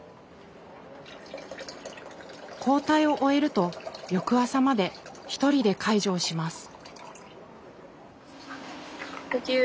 交代を終えると翌朝まで１人で介助をします。